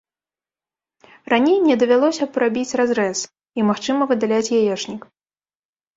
Раней мне давялося б рабіць разрэз і, магчыма, выдаляць яечнік.